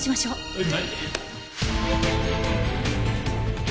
はい。